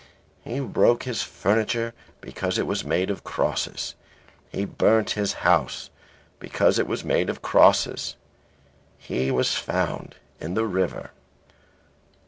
He broke his furniture because it was made of crosses. He burnt his house because it was made of crosses. He was found in the river."